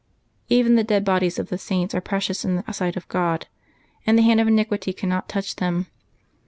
Even the dead bodies of the saints are precious in the sight of God, and the hand of iniquity cannot touch them.